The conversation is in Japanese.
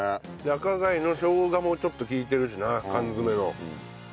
赤貝のショウガもちょっと利いてるしね缶詰の。